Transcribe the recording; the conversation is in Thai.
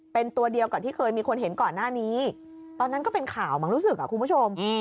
เป็นตัวเดียวกับที่เคยมีคนเห็นก่อนหน้านี้ตอนนั้นก็เป็นข่าวมั้งรู้สึกอ่ะคุณผู้ชม